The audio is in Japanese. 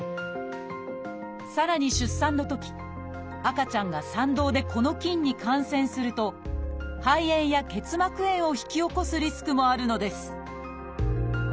さらに出産のとき赤ちゃんが産道でこの菌に感染すると肺炎や結膜炎を引き起こすリスクもあるのです。